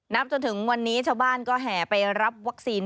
จนถึงวันนี้ชาวบ้านก็แห่ไปรับวัคซีน